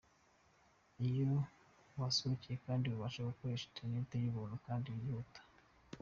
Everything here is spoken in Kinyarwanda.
Iyo wahasohokeye kandi ubasha gukoresha interineti y'ubuntu kandi yihuta.